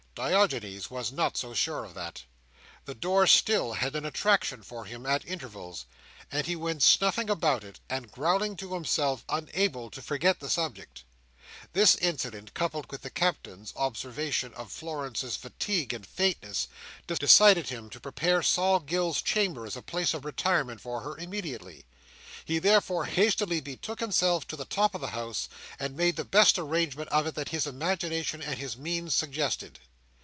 Diogenes was not so sure of that. The door still had an attraction for him at intervals; and he went snuffing about it, and growling to himself, unable to forget the subject. This incident, coupled with the Captain's observation of Florence's fatigue and faintness, decided him to prepare Sol Gills's chamber as a place of retirement for her immediately. He therefore hastily betook himself to the top of the house, and made the best arrangement of it that his imagination and his means suggested.